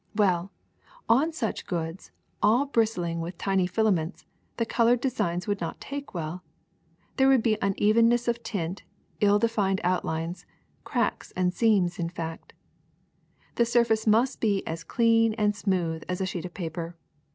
Well, on such goods, all bristling with tiny filaments, the colored designs would not take well ; there would be uneven ness of tint, ill defined outlines; cracks and seams, in fact. The surface must be as clean and smooth as a sheet of paper.